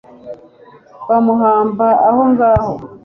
bamuhamba aho ngaho